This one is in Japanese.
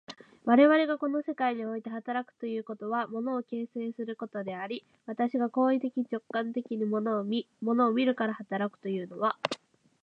我々がこの世界において働くということは、物を形成することであり、私が行為的直観的に物を見、物を見るから働くというのは、